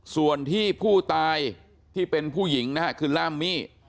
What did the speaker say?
ส่วนที่ผู้ตายที่เป็นผู้หญิงนะฮะคือล่ามมี่